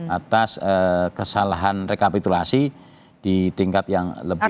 atas kesalahan rekapitulasi di tingkat yang lebih